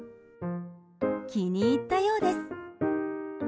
気に入ったようです。